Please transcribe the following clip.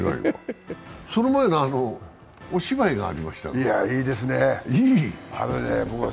その前のお芝居がありました。